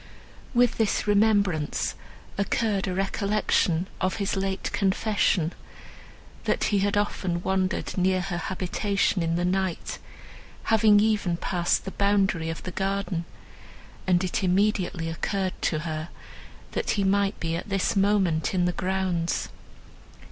With this remembrance occurred a recollection of his late confession—that he had often wandered near her habitation in the night, having even passed the boundary of the garden, and it immediately occurred to her, that he might be at this moment in the grounds.